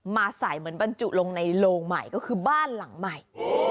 มาใส่เหมือนบรรจุลงในโลงใหม่ก็คือบ้านหลังใหม่